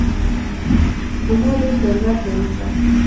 دې ما ډېر ضرورت دی ورته